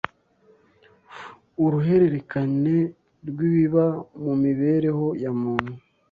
uruhererekane rw’ibiba mu mibereho ya muntu